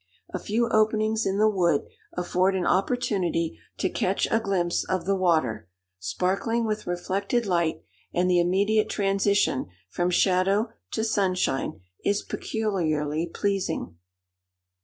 A few openings in the wood afford an opportunity to catch a glimpse of the water, sparkling with reflected light; and the immediate transition from shadow to sunshine is peculiarly pleasing.